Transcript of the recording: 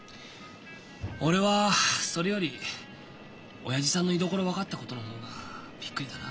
俺はそれより親父さんの居所分かったことの方がびっくりだなあ。